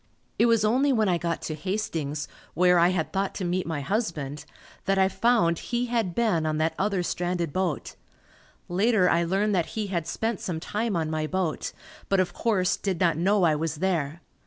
It was only when I got to Hastings, where I had thought to meet my husband that I found he had been on that other stranded boat. Later, I learned that he had spent some time on my boat, but of course, did not know I was there.